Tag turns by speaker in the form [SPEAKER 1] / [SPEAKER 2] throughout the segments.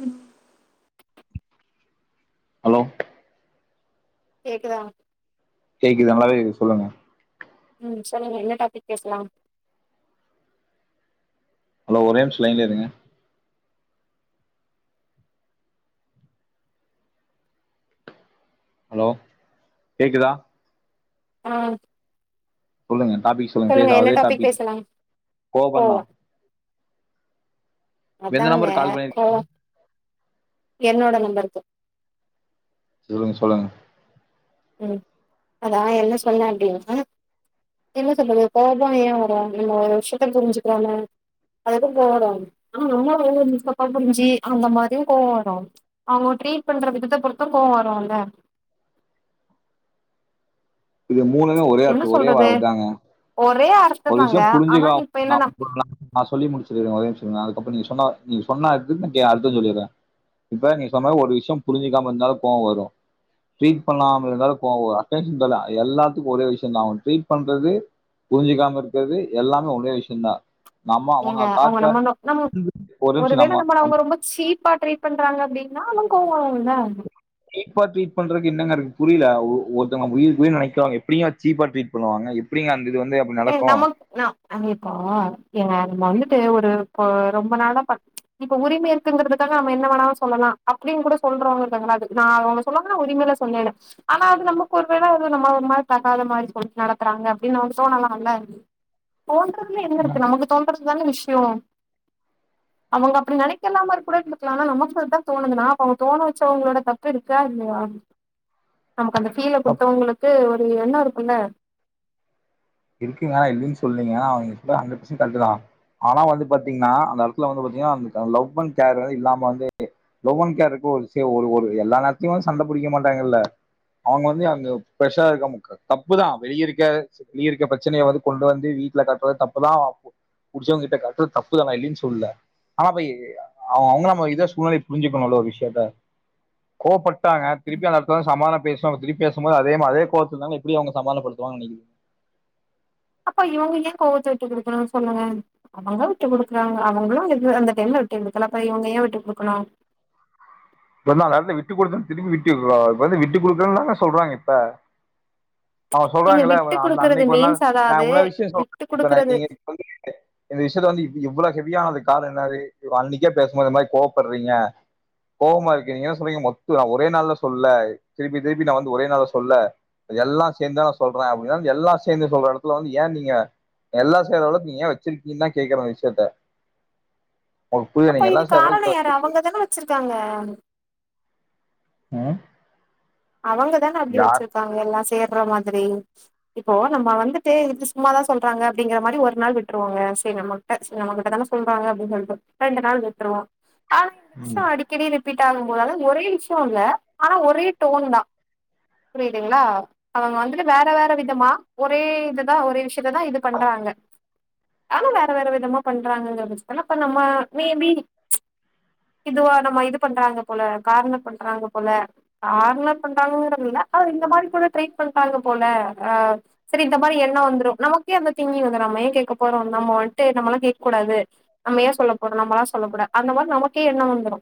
[SPEAKER 1] ம்
[SPEAKER 2] ஹலோ
[SPEAKER 1] கேகுதா
[SPEAKER 2] கேக்குது நல்லாவே கேக்குது சொல்லுங்க
[SPEAKER 1] உ சொல்லுங்க என்ன டாபிக் பேசலா
[SPEAKER 2] ஹலோ ஒரே நிம்ஷ லைன்ல இருங்க ஹலோ கேக்குதா
[SPEAKER 1] ஆ
[SPEAKER 2] சொலுங்க டாப்பிக் சொல்ங்க
[SPEAKER 1] சொல்லுங்க என்ன
[SPEAKER 2] பேசாவதே
[SPEAKER 1] டாபிக்
[SPEAKER 2] டாப்பிக்
[SPEAKER 1] பேசலாம்
[SPEAKER 2] கோப்பண்தா
[SPEAKER 1] கோவம் அதாங்க
[SPEAKER 2] கால் பண்ணிருக்கீங்க
[SPEAKER 1] கோவோ என்னோட நம்பர் [unintelligible]
[SPEAKER 2] சொலுங்க சொல்லுங்க
[SPEAKER 1] உ அதா என்ன சொன்னீ அப்டின்னா என்ன சொல்றது கோபோ ஏ வரு நம்ம ஒரு விஷத்த புரிஞ்சுக்கிறோ அதுப்பு போக வரோ ஆ அம்மாப்பா புரிஞ்சு அந்த மாரியு கோவோ வரோ அவங்க ட்ரீட் பண்ற விதத்த பொருத்து கோவோ வரோல
[SPEAKER 2] இது மூநுமே ஒரே
[SPEAKER 1] என்ன
[SPEAKER 2] அர்தோ ஒரே
[SPEAKER 1] சொல்றது
[SPEAKER 2] வாத தாங்க
[SPEAKER 1] ஒரே
[SPEAKER 2] ஒரு
[SPEAKER 1] அர்த்ததாங்க ஆனா
[SPEAKER 2] விஷயோபுரிஞ்சுக்க
[SPEAKER 1] இப்ப
[SPEAKER 2] நா
[SPEAKER 1] என்னன்னா
[SPEAKER 2] நா சொல்லி முடிச்சுகுரே ஒரேம்ஷோ இருங்க இப்ப நீ சொன்ன நீ சொன்ன இதுக் அர்த்த சொல்லிட்ரெ இப்ப நீ சொன்ன ஒரு விசயோ புரிஞ்சிக்காம இருந்தாலு கோவ வரு ட்ரீட் பன்னாம இருந்தாலு கோவ வரு அட்டன்சன் தர்ல எல்லாத்துக்கு ஒரே விசயோ தா ட்ரீட் பன்றது புரிஞ்சிக்காம இருக்கிறது எல்லாமே ஒரே விஷயந்தா நம்ம
[SPEAKER 1] நீங்க அவங்க
[SPEAKER 2] காட்டுற
[SPEAKER 1] நம்ம ம்ம ஒரு
[SPEAKER 2] நிமிஷ
[SPEAKER 1] வேல
[SPEAKER 2] நம்ம
[SPEAKER 1] நம்மல அவங்க ரொம்ப சீப்பா ட்ரீட் பண்றாங்க அப்டின்னா அவங்க கோவ வரும்ல
[SPEAKER 2] சீப்பா ட்ரீட் பன்றதுக்கு என்னங்க இருக்கு புரில ஒ ஒருத்தங்க உயிர்க்கு உயிரா நினக்ரவங்க எப்டிங்க சீப்பா ட்ரீட் பன்னுவாங்க எப்டிங்க
[SPEAKER 1] ஏ நமக்கு நம்ம இப்போ ஏ நம்ம வந்துட்டு ஒரு இப்ப ரொம்ப நாள த இப்ப உரிமை இருக்குங்கிறதுக்காக நம்ம என்ன வேண சொல்லலா அப்டின்னு கூட சொல்றவங்க இருக்காங்க நா அவங்க சொல்லங்கன்னா உரிமையில சொன்னேனு ஆனா அது நமக்கு ஒரு வேல ஒரு மாரி தகாத மாரி சொல்லி நடத்துறாங்க அப்படின்னு [unintelligible] தோணலாம்ல தோன்றதுல என்ன இருக்கு நமக்கு தோன்றதுதான விஷயோ அவங்க அப்டி நினைக்கலாம கூட இருக்கலாம்ல ஆனா நம்ம அப்டி தா தோணுதுன்னா அப்ப அவங்க தோண வச்சவங்களோட தப்பு இருக்கா இல்லையா நமக்கு அந்த ஃபீல
[SPEAKER 2] தப்
[SPEAKER 1] கொடுத்தவங்களுக்கு ஒரு [unintelligible] என்ன இருக்கும்ல
[SPEAKER 2] இருக்குங்கன்னா இல்லலைன்ன சொல்லைங்க அவங்க அந்த விசய கரெக்ட் தா ஆனா வந்து பாத்தீங்கன்னா அந்த எடத்துல வந்து பாத்தீங்கன்னா அ லவ் அண்ட கேர் வந்து இல்லாம வந்து லவ் அண்ட் கேருக்கு ஒரு ஒரு எல்லா நேரத்தையு வந்து சண்ட பிடிக்க மாட்டாங்கல்ல அவங்க வந்து அங்க ப்ரஷரா இருக்க தப்புதா வெளிய இருக்க வெளில இருக்க பிரச்சனைய வந்து கொண்டு வந்து வீட்டுல காட்றத தப்புதா புடிச்சவங்க கிட்ட காட்றது தப்புதா நா இல்லன்லா சொல்லல ஆனா அப்பொ அவங்க அவங்க நம்ம இத சூழ்நிலய புரிஞ்சுக்கணும்ல ஒரு விஷயத்த கோவப்பட்டாங்க திருப்பி அந்த எடத்துல சமாதானம் பேசுவணும்ங்க திருப்பி பேசும்பொது அதே மாதிர அதே கோவத்து இருந்தாலுஎப்படி அவங்க சமாதானப்படுத்துவாங்கனு நினைக்கிறீங்க
[SPEAKER 1] அப்ப இவங்க ஏ கோவத்த விட்டு கொடுக்கணும்னு சொல்லுங்க அவங்க விட்டு குடுக்குறாங்க அவங்களு அது அந்த டைம்ல விட்டு கொடுக்கல அப்ப இவங்க ஏ விட்டு குடுக்கணு
[SPEAKER 2] இப்ப நாலு எடத்துல விட்டு கொடுத்துன்னு திரும்பி விட்டு கொடுக்கற இப்ப வந்து விட்டு குடுக்குறுாங்க சொல்றாங்க இப்ப அவ
[SPEAKER 1] நீங்க
[SPEAKER 2] சொல்றாங்கல
[SPEAKER 1] விட்டு
[SPEAKER 2] அந்த
[SPEAKER 1] குடுக்குறது
[SPEAKER 2] அன்னைக்கு ஒரு நாள்
[SPEAKER 1] மீன்ஸ்
[SPEAKER 2] நா
[SPEAKER 1] அதாவது
[SPEAKER 2] உன்ன விஷய
[SPEAKER 1] விட்டு
[SPEAKER 2] சொல்றே இப்ப நா
[SPEAKER 1] குடுக்குறது
[SPEAKER 2] இந்த விஷயத்த வந்து இவ்ளா கே அதுக்கு காரணம் என்னது இ அன்னைக்கே பேசும்போது இதுமாதிரி கோவப்படுறீங்க கோபமா இருக்கு நீங்க என்ன சொல்றீங்க மொத்து நா ஒரே நாள்ல சொல்ல திருப்பி திருப்பி நா வந்து ஒரே நாள் சொல்லல எல்லா சேர்ந்து நா சொல்றே அப்டின்னா எல்லா சேர்ந்து சொல்ற எடத்துல வந்து ஏ நீங்க எல்லா செய்ற அளவுக்கு நீங்க ஏ வச்சிருக்கீங்கு தா கேக்குற விஷயத்த உங்களுக்கு புரியுது
[SPEAKER 1] அப்ப
[SPEAKER 2] நீங்க
[SPEAKER 1] இது
[SPEAKER 2] எல்லாம் சேர்ற
[SPEAKER 1] காரண
[SPEAKER 2] அளவுக்கு
[SPEAKER 1] யாரு
[SPEAKER 2] வச்சிருக்கீங்க.
[SPEAKER 1] அவங்கதானே வச்சிருக்காங்க
[SPEAKER 2] ம்
[SPEAKER 1] அவங்கதாங்க அப்டி
[SPEAKER 2] யார்
[SPEAKER 1] வச்சிருப்பாங்க லாஸ் தேட்ற மாதிரி இப்போ நம்ம வந்துட்டு இதுக்கு சும்மாதா சொல்றாங்க அப்டிங்கிற மாரி ஒரு நாள் விட்ருவாங்க செரி நம்மகிட்ட ச்ரெ நம்மகிட்டதான சொல்றாங்க அப்டின்னு சொல்ட்டு ரெண்டு நாள் விட்ருவோ ஆ இந்த
[SPEAKER 2] ம்.
[SPEAKER 1] விஷ்யோ அடிக்கடி ரிப் பீட் ஆகும் போது அதாவ்து ஒரே விஷயோ இல்ல ஆனா ஒரே டோன்தா புரியுதுங்களா அவங்க வந்துட்டு வேற வேற விதமா ஒரே இதுதா ஒரே விஷ யத்ததா இது பண்றாங்க ஆனா வேற வேற விதமா பண்றாங்கங்கற பட்சத்துல இப்ப நம்ம மேபி இதுவா நம்ம இது பண்றாங்க போல கார்னர் பண்றாங்க போல கார்னர் பண்றாங்கன்றதில்ல அது இந்த மாரி கூட ட்ரை பண்றாங்க போல ஆ சரி இந்த மாரி எண்ணோ வந்துடு நமக்கே அந்த திங்கிங் வந்துரு நம்ம ஏன் கேக்க போறோ நம்ம வந்ட்டு நம்மல்லா கே க்கூடாது நம்ம ஏன் சொல்லப்போறோ நம்மல்லா சொல்லக்கூடா அந்த மாரி நமக்கே எண்ணோ வந்துரு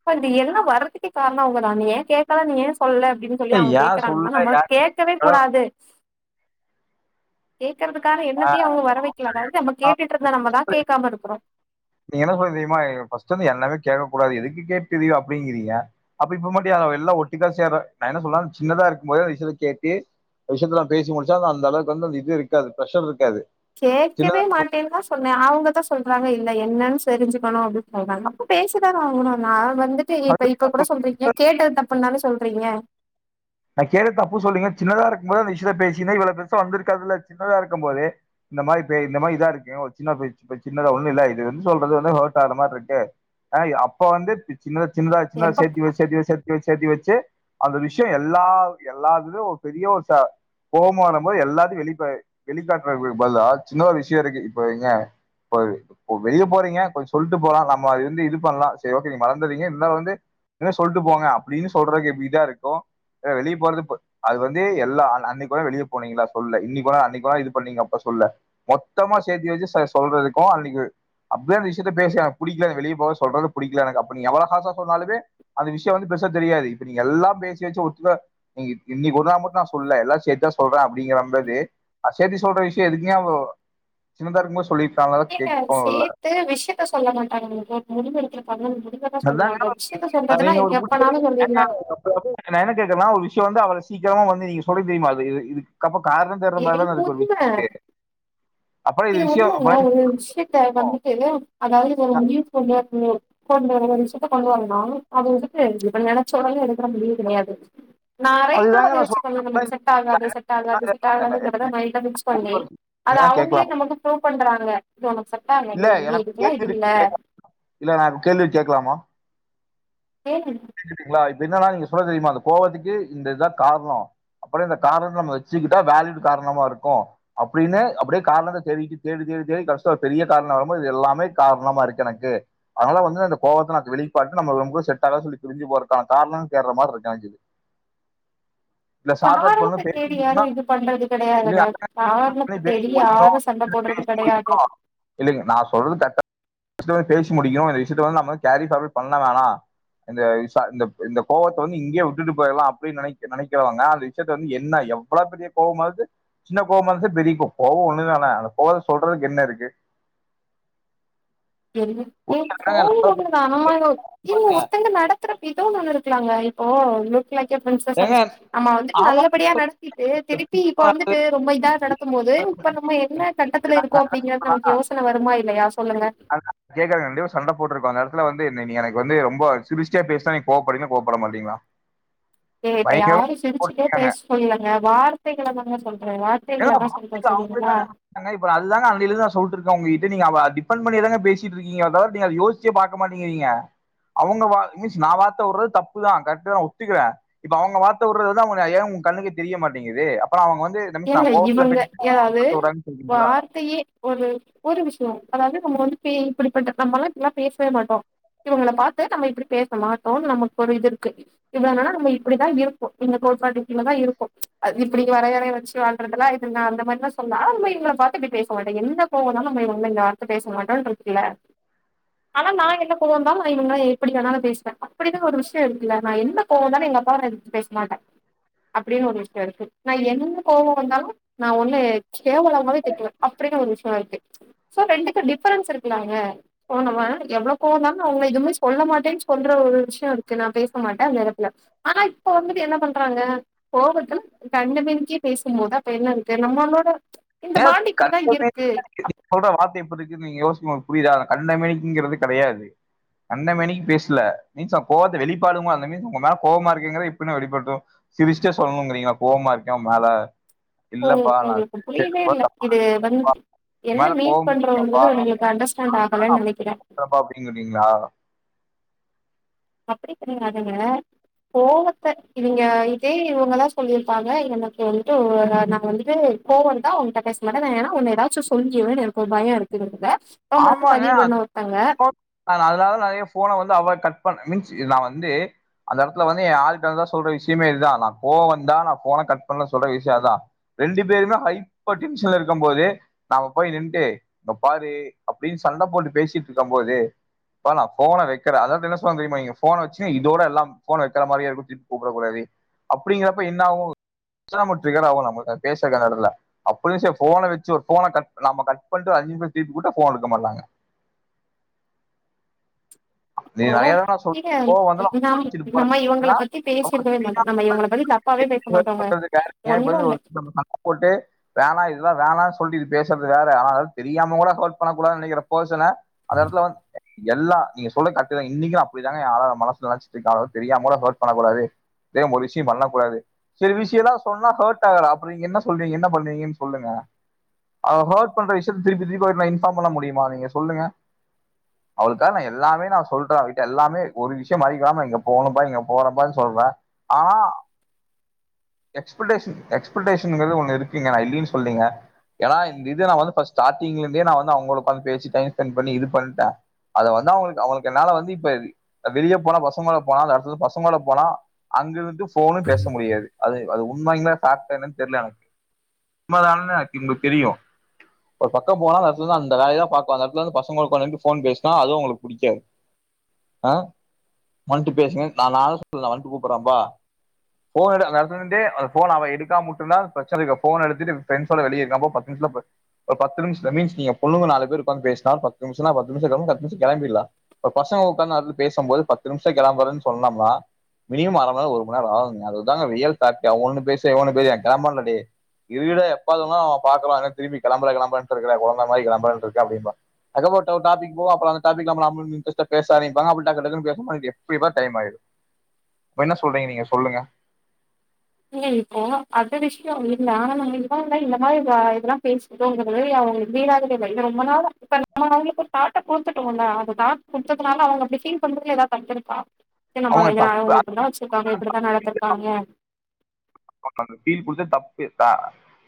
[SPEAKER 1] இப்ப அந்த எண் ணோ வரதுக்கு காரணோ அவங்கதான ஏன் கேக் கலன்னு ஏன் சொல்லல அப்டின்னு சொல்லி
[SPEAKER 2] ஏய்,
[SPEAKER 1] அவங்க
[SPEAKER 2] ஏன் சொல்ல
[SPEAKER 1] கேக்குறாங்கன்னா
[SPEAKER 2] ஏன்
[SPEAKER 1] நம்ம
[SPEAKER 2] கேட்கல?
[SPEAKER 1] கேக்கவே கூடாது கே க்கிறதுக்கான
[SPEAKER 2] ஆ,
[SPEAKER 1] எண்ணத்தையே அவங்க வர வைக்கல அதாவது நம்ம கேட்டுட்டு இருந்த நம்மதா
[SPEAKER 2] அப்புறம்
[SPEAKER 1] கேக்காம இருக்குறோ
[SPEAKER 2] நீங்க என்ன சொல்றீங்க தெரியுமா நீங்க ஃபஸ்ட் வந்து எல்லாமே கேக்கக்கூடாது எதுக்கு கேட்டு இதைய அப்டிங்கிறீங்க அப்ப இப்ப மட்டு ஏன் அத எல்லா ஒட்டுக்கா சேர்ற நா என்ன சொல்ற சின்னதா இருக்கும்போதே அந்த விஷயத்த கேட்டு அ விஷயத்தலா பேசி முடிச்சா அது அந்தளவுக்கு வந்து அந்த இது இருக்காது ப்ரஷர் இருக்காது சின்னதா
[SPEAKER 1] கேக்கவே
[SPEAKER 2] இருக்கும்
[SPEAKER 1] மாட்டேன்தா சொன்னேன் அவங்கதா சொல் றாங்க இல்ல என்னன்னு தெரிஞ்சுக்கணு அப்டின்னு சொல்றாங்க அப்ப பேசிதான ஆகணு நா வந்துட்டு இப்ப இப்ப கூட சொல்றீங்க கேட்டது தப்புன்தான சொல்றீங்க
[SPEAKER 2] நா கேக்கறது தப்புன்னு சொல்லீங்க சின்னதா இருக்கும் போது அந்த விஷயத்த பேசிருந்தா இவ்ள பெருசா வளந்திருக்காதுல்ல சின்னதா இருக்கும் போதே இந்த மாரி பே இந்த மாரி இதா இருக்குயு ஒரு சின்ன பேச்சு ஒரு சின்னதா ஒன்னு இல்ல இது வந்து சொல்றது வந்து ஹர்ட் ஆகற மாரி இருக்கு ஆ அப்ப வந்து இது சின்ன சின்னதா சின்னதா
[SPEAKER 1] எப்ப
[SPEAKER 2] சேத்தி வெச் சேத்தி வெச் சேத்தி வெச் சேத்தி வச்சு அந்த விஷயோ எல் எல்லா எல்லா இது ஒரு பெரிய ஒரு ச கோவமா வரும்போது எல்லாத்துக்கு வெளி இப்ப வெளிக்காட்றதுக்கு ப பதுலா சின்னதா ஒரு விஷயோ இருக்கு இப்ப நீங்க இப்ப ப்போ வெளிய போறீங்க கொஞ்ச சொல்ட்டு போலா நம்ம அது வந்து இது பண்லா சரி ஓகே நீ மறந்தர்றீங்க இருந்தாலு வந்து இனிமே சொல்ட்டு போங்க அப்டின்னு சொல்றதுக்கு எப்டி இதா இருக்கு ஆ வெளிய போறது இப்ப அது வந்து எல்லா அ அன்னைக்கூட வெளிய போனீங்கல்ல சொல்லுல இன்னைக்கூட அன்னைக்கி கூட இது பண்ணீங்க அப்ப சொல்லுல மொத்தமா சேத்தி வச்சு சொ சொல்றதுக்கு அன்னைக்கு அப்பவே அந்த விஷயத்த பேசி எனக்கு புடிக்கல நா வெளிய போறது சொல்றது புடிக்கல எனக்கு அப்ப நீங்க எவ்ளா ஹார்ஸா சொன்னாலுமே அந்த விஷயோ வந்து பெருசா தெரியாது இப்ப நீங்க எல்லா பேசி வச்சு ஒ ட்டுக்கா இ இன்னைக்கி ஒரு நாள் மட்டு நா சொல்லல எல்லா சேத்திதா சொல்றே அப் டிங்கறம்போது அ சேத்தி சொல்ற விஷயோ எதுக்குங்க அப்போ சின்னதா இருக்கும்போ சொல்லி
[SPEAKER 1] ஏங்க சேத்து விஷயத்த சொல்ல மாட்டாங்க அவுங்க ஒரு முடிவு எடுத்துருப்பாங்க அந்த மு
[SPEAKER 2] அதாங்க [inaudible] நீங்க ஒரு முடிவு
[SPEAKER 1] எப்பனாலு
[SPEAKER 2] எடுக்க
[SPEAKER 1] சொல்லிடலா
[SPEAKER 2] [inaudible] நா என்ன கேக்கறன்னா ஆ ஒரு விஷயோ வந்து அவ்ள சீக்கிரமா வந்து நீங்க சொல்றீங்க தெரியுமா அது இது இதுக்கப்றோ
[SPEAKER 1] இது உண்மே
[SPEAKER 2] அப்புறம்
[SPEAKER 1] இது
[SPEAKER 2] விஷயம்
[SPEAKER 1] உண்மைங்க
[SPEAKER 2] அப்புறம்
[SPEAKER 1] ஒரு விஷயத்த வந்துட்டு அதாவது [unintelligible]
[SPEAKER 2] ந
[SPEAKER 1] வந்து ம் கொண்டு வர விஷயத்த கொண்டு வரலாம் அது வந்துட்டு இப்ப நெனைச்சோனே எடுக்குற முடிவு கெடையாது நறைவா
[SPEAKER 2] அதுதாங்க நான் சொல்றேன்.
[SPEAKER 1] யோச்சுக்கோங்க
[SPEAKER 2] அப்புறம்
[SPEAKER 1] நமக்கு செட் ஆகாது செட் ஆகாது செ [unintelligible] அத
[SPEAKER 2] இந்த எனக்கு
[SPEAKER 1] அவங்களே
[SPEAKER 2] கேட்கலாமா?
[SPEAKER 1] நமக்கு பண்றாங்க இது உனக்கு செட் ஆகாது.
[SPEAKER 2] இல்ல
[SPEAKER 1] நீ நீ
[SPEAKER 2] எனக்கு
[SPEAKER 1] இதுக்கெல்லாம்
[SPEAKER 2] கேள்வி
[SPEAKER 1] இது இல்ல.
[SPEAKER 2] இருக்கு கேக்க இல்ல நான் கேள்வி கேக்கலாமா கேக்குதுங்களா என்ன சொல்ல தெரியுமா அந்த கோவத்துக்கே இதுதான் காரணம் அப்புறம் நம்ம காரணம் வச்சுகிட்டா வேலிட்டு காரணமா இருக்கும் அப்படின்னு அப்படியே காரணத்த தேடிக்கிட்டு தேடி தேடி தேடி கடைசியா பெரிய காரணம் வரும்போது இது எல்லாமே காரணமா இருக்கு எனக்கு அதனால வந்து அந்த கோத்தை வெளிகாட்டாத சொல்லி பிரிஞ்சு போறதுக்கான காரணம் தேடுற மாதிரி இருக்கு எனக் தெரிஞ் இல்ல ஷார்ட் அவுட் பண்ண
[SPEAKER 1] காரணத்த
[SPEAKER 2] பேசி
[SPEAKER 1] தேடி யாரும்
[SPEAKER 2] முடியுக்கிறோம்
[SPEAKER 1] இது பண்றது
[SPEAKER 2] [inaudible]
[SPEAKER 1] கிடையாதுங்க.
[SPEAKER 2] இல்ல
[SPEAKER 1] காரணத்த
[SPEAKER 2] பேசி
[SPEAKER 1] தேடி யாரும் சண்ட போடுறது கிடையாது.
[SPEAKER 2] முடிக்கிறோம் இல்லீங்க நான் சொல்றது கரெக்ட் விஷயம் வந்து பேசி முடிக்கணும் இந்த விஷயத்த வந்து நம்ம வந்து கேரி ஃபார்வர்ட் பண்ண வோணா [unintelligible] இந்த விசா இந்த இந்த கோவத்தை வந்து இங்கயே விட்டுட்டு போயிடலாம் அப்படின்னு நினை நினைக்கிறவாங்க அந்த விஷயத்த வந்து என்ன எவ்வளோ பெரிய கோவமாவது சின்ன கோவம் பெரிய கோ கோவம் ஒன்னு தானே அந்த கோவம் சொல்றதுக்கு என்ன இருக்கு
[SPEAKER 1] என் என் கோவில்னமா இவுங்க ஒருத்தங்க நடத்துற வி ஏன் ஒன்ன இருக்கலாங்க இப்போ [unintelligible]
[SPEAKER 2] ஏங்க
[SPEAKER 1] சர்விஸ்ஸுநம்ம வந்துட்டு
[SPEAKER 2] ஆமா
[SPEAKER 1] நல்லபடியா நடத்திட்டு திருப்பி இப்ப வந்துட்டு ரொம்ப இதா நடத்தும் போது இப்ப நம்ம என்ன கட்டத்துல இருக்கோம் அப்படிங்கறது நமக்கு யோசனை வருமா இல்லையா சொல்லுங்க
[SPEAKER 2] கேக்குறதுங்க கண்டப்பா சண்டை போட்டிருக்கும் அந்த இடத்துல வந்து நீ எனக்கு வந்து ரொம்ப சிருச்சுடே பேசுனா நீங்க கோவப்படுவீங்களா கோவப்பட மாட்டீங்களா
[SPEAKER 1] ஏ இப்ப
[SPEAKER 2] பயங்கரமா
[SPEAKER 1] யாரும் சிரிச்சுட்டே
[SPEAKER 2] போட்ருக்காங்க
[SPEAKER 1] பேச சொல்லலங்க வார்த்தைகள்ல தாங்க சொல்
[SPEAKER 2] ன அவங்களுக்குதாங்க அதுதான் அன்னையில இருந்து நா சொல்ட்டு இருக்கேன் உங்ககி நீங்க அவ டிபெண்ட் பண்ணி தானே பேசிட்டு இருக்கீங்க தவிர அத யோசிச்சே பார்க்க மாட்டேங்கிறீங்க அவுங்க வா மிஸ் நான் வார்த்தை விடுறது தப்பு தான் கரெக்ட்டு தான் ஒத்துகிறேன் இப்ப அவுங்க வார்த்தை வுடுறதுதான் ஏ அது ஏன் உங்க கண்ணுக்கு தெரிய மாட்டிங்குது அப்புறம் அவுங்க வந்து டென்ஷா
[SPEAKER 1] இவுங்க ஏதாவது வார்த்தையே ஒரு ஒரு விஷயம் அதாவது நம்ம வந்து இப்படிப்பட்ட நம்மலாம் இப்டிலாம் பேசவே மாட்டோம் இவுங்களை பார்த்து நம்ம இப்படி பேச மாட்டோம் நமக்கு ஒரு இது இருக்கு இவ்ளோ நாளா நம்ம இப்படிதான் இருக்கோம் இந்த கோட்பாட்டுலதான் இருக்கும் இப்படி வரைய வரைய வச்சு நா அந்த மாதிரி எல்லாம் சொல்ல ஆம்பளைங்கள பாத்து அப்டி பேச மாட்டேன் எந்த கோவம் இருந்தாலும் எங்க அம்மாவ எப்படி வேணாலும் பேசுவேன் அப்படின்னு ஒரு விஷயம் இருக்குல என்ன போவம் வந்தாலும் எங்க அப்பாவ ஏதித்து பேச மாட்டேன் அப்படின்னு ஒரு விஷயம் இருக்குல்ல கோவம் வந்தாலும் நான் ஒன்னே கேவலாமவே திட்டுவேன் அப்படினு ஒரு விஷயம் இருக்கு சோ ரெண்டுக்கு டிப்ரன்ஸ் இருக்கலாங்க போனவ எவ்வளோ கோவம் வந்தாலும் அவுங்க எதுவுமே சொல்ல மாட்டேன்னு சொல்ற ஒரு விஷயம் இருக்கு நான் பேச மாட்டேன் அந்த இடத்துல ஆனா இப்ப வந்துட்டு என்ன பண்றாங்க கோபத்துல கண்ட மேனிக்கு பேசும் போது அப்ப என்ன இருக்கு நம்மளோட இந்த
[SPEAKER 2] ஏன்
[SPEAKER 1] பாண்ட் இப்டிதா
[SPEAKER 2] கண்ட
[SPEAKER 1] இருக்கு
[SPEAKER 2] மேனிக்கு நீங்க சொல்ற வார்த்தை எப்படி இருக்கு நீங்க யோசனை புரியதா கண்டமேனிக்குங்கிறது மட்டும் கடையாது கண்டமேனிக்கு பேசல மீன்ஸ்ன் நா கோவத்தை வெளிப்பாடு அந்த மீன்ஸ் உங்க மேல கோவமா இருக்கங்கிறல எப்படின்னு வெளிப்படும் சிரிச்சிட்ட சொல்லணுங்கிறீங்களா கோவமா இருக்கேன் உன் மேல
[SPEAKER 1] ஓ
[SPEAKER 2] இல்லப்பா நான்
[SPEAKER 1] உங்களுக்கு
[SPEAKER 2] சரி,
[SPEAKER 1] புரியவே ல்ல
[SPEAKER 2] தப்பா
[SPEAKER 1] இது வந்
[SPEAKER 2] உன்
[SPEAKER 1] என்ன
[SPEAKER 2] மேல
[SPEAKER 1] மீட்
[SPEAKER 2] கோவம் இருக்குப்பா
[SPEAKER 1] பண்றோன்றது
[SPEAKER 2] நான்
[SPEAKER 1] உங்களுக்கு அண்டர்ஸ்டாண்ட்
[SPEAKER 2] அதனால
[SPEAKER 1] ஆகலனு
[SPEAKER 2] அப்படி
[SPEAKER 1] நெனைக்கிறே
[SPEAKER 2] பண்றேன்ப்பா அப்டிங்கிறீங்களா?
[SPEAKER 1] எப்பிடி நீங்க அதாங்க கோவத்த நீங்க இதே இவுங்கதா சொல்லிருப்பாங்க எனக்கு வந்துட்டு ஓ ரா நா வந்துட்டு கோவந்தா உங்கிட்ட பேச மாட்டே ஏனா உன்ன ஏதாச்சு சொல்லிருவேனு எ
[SPEAKER 2] ஆமாங்க அ
[SPEAKER 1] பண்ண ஒருத்தங்க
[SPEAKER 2] [unintelligible] அதனால நெறைய ஃபோன வந்து அவ கட் பன் மீன்ஸ்து நா வந்து அந்த எடத்துல வந்து ஏ ஆள்ட்டதா சொல்ற விஷயமே இதுதா நா கோவோ வந்தா நா ஃபோன கட் பண்ணல சொல்ற விஷயோ அதா ரெண்டு பேருமே ஹப்பர் டென்ஷன்ல இருக்கு போது நாம போய் நின்னுட்டு பாரு அப்பிடின்னு சண்ட போட்டு பேசிட்டு இருக்கம் போது ப்பா நா ஃபோன வைக்கற அதாவது என்ன சொன்னாங் தெரியுமா நீங்க ஃபோன வச்சு இதோட எல்லாம் ஃபோன வைக்கற மாரியே திப்பி கூப்பிடக் கூடாது அப்பிடிங்கறப்ப என்னாகு [unintelligible] பேசல அந்த எடத்துல அப்பிடியு சேரி ஃபோன வச்சு ஒரு ஃபோன கட் நாம கட் பண் த்து ஐஞ்சி நிமிஷம் திருப்பி கூப்புட்டா ஃபோன் எடுக்க மாட்றாங்க நீ
[SPEAKER 1] அப்றோ
[SPEAKER 2] நெறையாதாடா சொ கோவோ வந்துரு
[SPEAKER 1] இது நம் நம்ம இவங்கள பத்தி பேசிருக்கவே மாட்டோ நம்ம இவங்கள பத்தி தப்பாவே பேச மாட்டோங்க ஒன்னு
[SPEAKER 2] [unintelligible] ஆனா வேணா சொல்லிட்டு பேசுறது வேற ஆனா தெரியாம கூட ஹாட் பண்ண கூடானு நெனைக்கிற பேர்சன அந்த எடத்துல வந் எல்லா நீங்க சொல்றது கரெட்தா இன்னிக்கு நா அப்பிடிதாங்க ஏ ஆளா மனசுல நெனச்சிட்டு இருக்கா அதலா தெரியாமகூட ஹாட் பண்ண கூடாது தெரியாம ஒரு விஷ்யோ பண்ண கூட சேரி விசியலா சொன்ன ஹாட் ஆகுற அப்புறோ என்ன சொல்றிங்க என்ன பண்றிங்க சொல்லுங்க அவ ஹாட் பண்ற விஷ் இஷ்டத்து திருப்பி திருப்பி அவட்ட இன்ஃபாம் பண்ண முடியுமா நீங்க சொல்லுங்க அவளுக்காக நா எல்லாமே நா சொல்லிட்டே அவகிட்ட எல்லாமே ஒரு விஷயம் மறக்காம இங்க போனப்பா இங்க போறப்பானு சொல்றே ஆனா எஸ்பிடேசன் எஸ்பிடேசன்ங்கறது ஒன்னு இருக்குங்க நா இல்லின் சொல்லங்க ஏனா இது வந்து பஸ்ட் ஸ்டாடிங்லந்தே நா வந்து அவுங்கள பத் பேசிடே இட்டன் பண்ணி இது பண்ட்டே அத வந்து அவங்ளு அவங்களுக்கு என்ன வந்து இப்ப வெளியே போனா பசங்களோட போனா அந்த எடத்துக்கு பசங்களோட போனா அங்கிருந்து ஃபோனு பேச முடியாது அது அது உண்மயான்னா ஃபேக்ட் என்னன்னு தெரியல எனக்கு உண்மைதான எனக்கு உங்களுக்கு தெரியு ஒரு பக்கம் போனா அந்த எடத்துல அந்த வேலயதா பாக்குவா அந்த எடத்துல வந்து பசங்களோட உக்காநிட்டு ஃபோன் பேசுனா அது உங்களுக்கு புடிக்காது ஆ வந்துட்டு பேசுங்க நா நானு சொல்ல வந்ட்டு கூப்பறேன்பா ஃபோன் எடு அந்த எடத்துல நின்டே அ ஃபோன் அவ எடுக்காம முட்டுந்தா பிரச்சனைக்கு ஃபோன் எடுத்துட்டு ஃப்ரஸ்யோட வெளிய இருக்கான்ப்ப பத்து நிமிஷத்துல போ ஒரு பத்து நிமிஷம் மீன்ஸ் நீங்க சொல்லுங்க நாலு பேர் உட்கந்து பேசினால பத்து நிமிஷம் பத்து நிமிஷம்ல பத்து நிமிம் கிளம்பிடல ஒரு பசங்க உக்காந்து அல பேசும்போது பத்து நிமிஷோ கிளம்பறன்னு சொன்னம்னா மினிமம் அரைமணி நேரம் ஒரு மணி நேரம் ஆகுங்க அதுதாங்க ரியல் ஃபேக்ட் அவன் ஒன்னு பேச இவ ஒன்னு பேச கிளம்புறந்டாடே இருக்குறடா எப்ப பாத்த பாக்குரண்டா கிளம்புற கிளம்புற சொல்லு இக்கற கொழந்த மாரி கிளம்பர சொல்லிட்டு அப்படிம்பா அதுக்கப்புறோ டாப்பீக் போகுல அந்த டாப்பீக் ல போனா [unintelligible] இன்ட்ரெஸ்டா பேச ஆரம்பிப்பாங்க பா டக்குனு டக்குனு பேசும்ப எப்படியு டைம் ஆகிருது இப்ப என்ன சொல்றீங்க நீங்க சொல்லுங்க
[SPEAKER 1] இல்ல இப்போ அது விஷயம் இல்ல ஆனா நாங்க இவங்க இல்ல இந்த ஆ இதெல்லா பேசதோங்கிறது அவுங்க வீடாத இல்ல இ ரொம்ப நாளா இப்ப நம்ம அவங்களுக்கு தாட்ட கொடுத்துட்டோ அத தாட்ட குடுத்ததுனால அவுங்க அப்பிடி ஃபீல் பண்றதுல ஏதாது தட்டுருக்கா சின்னம்மங்க
[SPEAKER 2] அவங்க
[SPEAKER 1] இங்க நாங்க
[SPEAKER 2] தப்பு
[SPEAKER 1] உங்கள இப்பிடிதா வச்சிருக்காங்க இப்பிடித்தா நடந்திருக்காங்க
[SPEAKER 2] ஃபீல் குடுத்தது தப்பு அ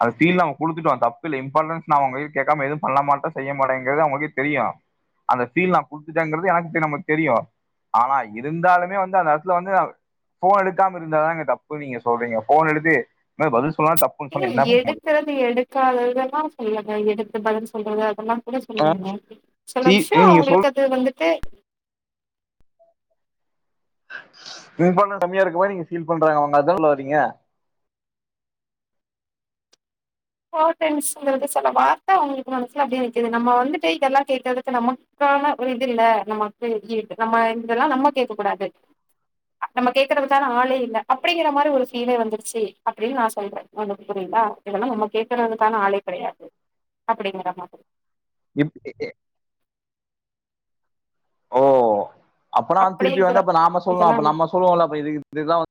[SPEAKER 2] அந்த ஃபீல்லா நம குடுத்துட்டோ தப்பு இல்ல இம்பார்டன்ஸ் நா உங்கீ கேட்காம எதுவு பண்ண மாட்டே செய்ய மாட்டேங்கறது அவுங்கக்கே தெரியு அந்த ஃபீல் நா குடுத்துட்டேங்கிறது எனக்கு தெரிய நமக்கு தெரியு ஆனா இருந்தாலுமே வந்து அந்த இடத்துல வந்து ஃபோன் எடுக்காம இருந்தாங்க தப்பு நீங்க சொல்றீங்க ஃபோன் எடுத்து என்ன பதில் சொல்லாம தப்புன்னு சொன்னா
[SPEAKER 1] ஏ
[SPEAKER 2] என்ன பண்ண முடியு
[SPEAKER 1] எடுக்கறது எடுக்காதததா சொல்லுங்க எடுத்து பதில் சொல்றது அதெல்லா என்ன
[SPEAKER 2] ஆ
[SPEAKER 1] சொல்லாங்க சில
[SPEAKER 2] சி
[SPEAKER 1] விஷ்யோ
[SPEAKER 2] நீங்க சொல்
[SPEAKER 1] அவுங்களுக்கு அது வந்துட்டு
[SPEAKER 2] இங்க பண்ண கம்மியாருக்கமா நீங்க ஃபீல் பண்றாங்க அவுங்க அதா சொல்லவரீங்க
[SPEAKER 1] போட்டேன்ஸ் சொல்ற சில வார்த்த அவுங்களுக்கு மனசுல அப்பிடியே நிக்குது நம்ம வந்துட்டு இதெல்லா கேட்டதுக்கு நமக்கான ஒரு இது இல்ல நமக்கு இ நம்ம இதெல்லா நம கேக்க கூடாது நம்ம கேக்குறதுதான ஆளே இல்ல அப்பிடிங்கிற மாரி ஒரு ஃபீலே வந்துருச்சு அப்பிடின்னு நா சொல்றே உனக்கு புரியதா இதெல்லா நமக் கேட்கறதுக்கான ஆளே கெடையாது அப்பிடிங்கற மாரி
[SPEAKER 2] இப் அப்பனா திருப்பி
[SPEAKER 1] அப்படிங்கிற
[SPEAKER 2] வந்துப்ப நாம சொல்லா அப்ப
[SPEAKER 1] இதெல்லாம்
[SPEAKER 2] நம்ம சொல்லுவோல்ல இதுக்கு இது இதுதா வந்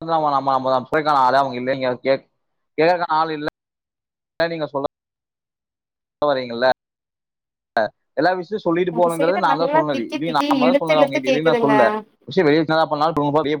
[SPEAKER 2] இதுதா அவ நம்ம நம்ம போயிருக்கிறாங்க ஆளே அவுங்க இல்ல நீங்க கேக் கேக்கிற ஆள் இல்ல நீங்க சொல்ல வரிங்கல்ல எல்லா விஷ் சொல்லிட்டு
[SPEAKER 1] அந்த சைடு
[SPEAKER 2] போனோகிறதா நாதா
[SPEAKER 1] நல்லா
[SPEAKER 2] சொன்னது
[SPEAKER 1] திக்கி
[SPEAKER 2] இவிக
[SPEAKER 1] திக்கி
[SPEAKER 2] நாம்மதா
[SPEAKER 1] இழுத்து
[SPEAKER 2] சொன்னது
[SPEAKER 1] இழுத்து
[SPEAKER 2] அவிங்கிட்டியு இனி நா
[SPEAKER 1] கேக்குதுங்க
[SPEAKER 2] சொல்ல விஷயோ வெளிய வந்துச்சுன்னா என்ன பண்ணலா [unintelligible]